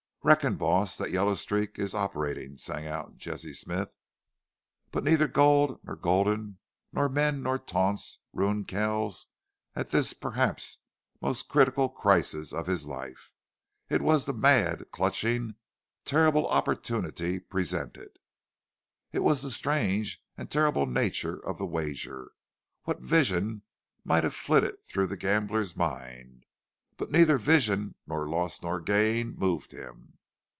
"Reckon, boss, thet yellow streak is operatin'!" sang out Jesse Smith. But neither gold, nor Gulden, nor men, nor taunts ruined Kells at this perhaps most critical crisis of his life. It was the mad, clutching, terrible opportunity presented. It was the strange and terrible nature of the wager. What vision might have flitted through the gambler's mind! But neither vision of loss nor gain moved him.